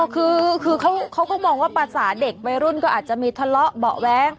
คือเขาก็มองว่าภาษาเด็กวัยรุ่นก็อาจจะมีทะเลาะเบาะแว้ง